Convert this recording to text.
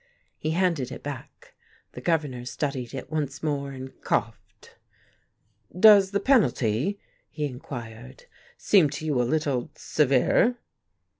He handed it back. The Governor studied it once more, and coughed. "Does the penalty," he inquired, "seem to you a little severe?"